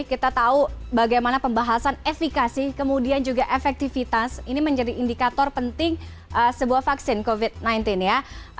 kita tahu bagaimana pembahasan efekasi kemudian juga efektivitas ini menjadi indikator penting sebuah vaksin covid sembilan belas ya